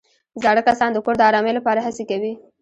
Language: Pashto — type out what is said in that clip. زاړه کسان د کور د ارامۍ لپاره هڅې کوي